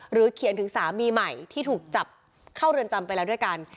เขียนถึงสามีใหม่ที่ถูกจับเข้าเรือนจำไปแล้วด้วยกัน